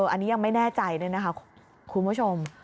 อันนี้ยังไม่แน่ใจด้วยนะคะคุณผู้ชม